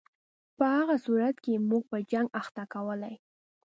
په هغه صورت کې یې موږ په جنګ اخته کولای.